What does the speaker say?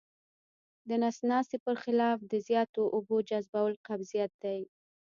د نس ناستي پر خلاف د زیاتو اوبو جذبول قبضیت دی.